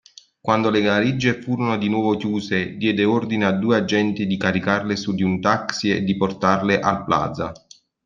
Quando le valige furono di nuovo chiuse, diede ordine a due agenti di caricarle su di un taxi e di portarle al Plaza.